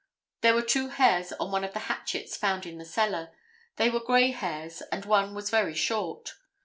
There were two hairs on one of the hatchets found in the cellar. They were gray hairs and one was very short.